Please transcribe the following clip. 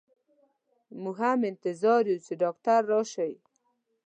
مو ږ هم انتظار يو چي ډاکټر راشئ.